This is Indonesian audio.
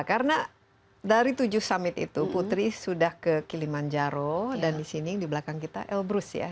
karena dari tujuh summit itu putri sudah ke kilimanjaro dan di sini di belakang kita elbrus ya